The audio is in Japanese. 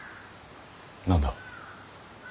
何だ。